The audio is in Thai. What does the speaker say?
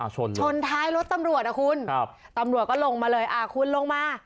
ชนลงชนท้ายรถตำรวจนะคุณตำรวจก็ลงมาเลยคุณลงมา